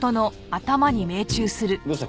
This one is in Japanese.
どうした？